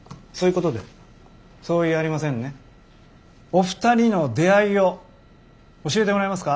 お二人の出会いを教えてもらえますか？